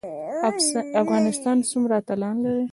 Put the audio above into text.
افغانستان څومره اتلان لري؟